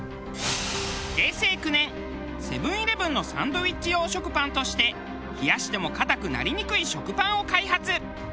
平成９年セブン−イレブンのサンドイッチ用食パンとして冷やしても硬くなりにくい食パンを開発。